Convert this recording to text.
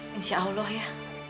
ya insya allah ya